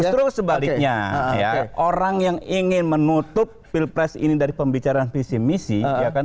justru sebaliknya orang yang ingin menutup pilpres ini dari pembicaraan visi misi ya kan